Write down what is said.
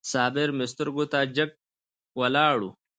صابر مې سترګو ته جګ ولاړ و.